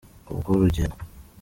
Kubw urugendo